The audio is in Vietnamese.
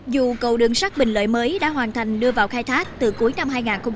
dù cầu đường sắt bình lợi mới đã hoàn thành đưa vào khai thác từ cuối năm hai nghìn một mươi chín